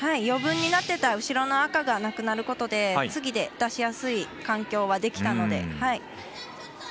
余分になってた後ろの赤がなくなることで次で出しやすい環境はできたので。